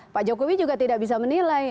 pak jokowi juga tidak bisa menilai